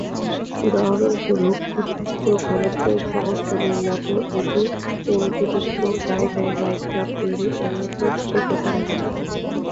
উদাহরণস্বরূপ, উচ্চ-ঘনত্বের শহরতলির মতো এটি অনুপযুক্ত জায়গায় নাইটক্লাব তৈরির অনুমতি পেতে পারে না।